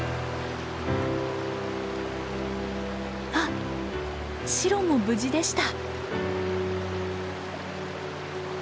あっシロも無事でした！